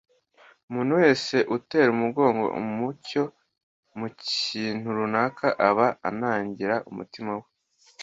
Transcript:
Umuntu wese utera umugongo umucyo mu kintu runaka aba anangira umutima we